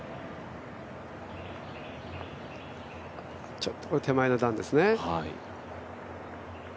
ちょっと手前の段ですね。